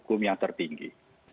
hukum yang tertinggi